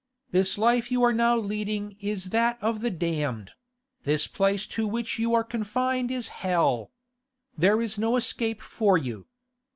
This life you are now leading is that of the damned; this place to which you are confined is Hell! There is no escape for you.